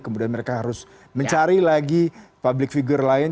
kemudian mereka harus mencari lagi public figure lain